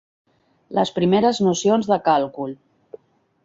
Les primeres nocions de càlcul.